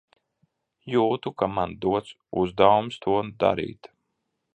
Jūtu, ka man dots uzdevums to darīt.